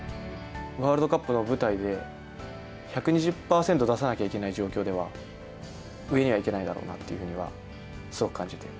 ワールドカップの舞台で、１２０％出さなきゃいけない状況では、上には行けないだろうなというふうにはすごく感じて。